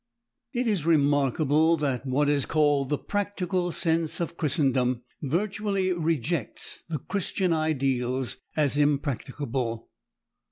IT is remarkable that what is called the practical sense of Christendom virtually rejects the Christian ideals as impracticable.